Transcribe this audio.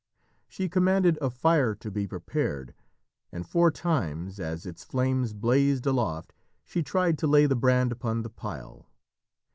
She commanded a fire to be prepared, and four times, as its flames blazed aloft, she tried to lay the brand upon the pile.